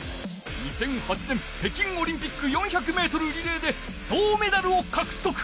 ２００８年北京オリンピック４００メートルリレーで銅メダルをかくとく。